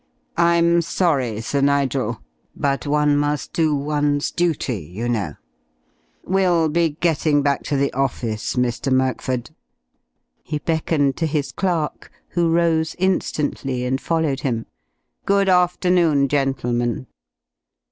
I'm sorry, Sir Nigel, but one must do one's duty, you know.... We'll be getting back to the office, Mr. Murkford." He beckoned to his clerk, who rose instantly and followed him. "Good afternoon, gentlemen."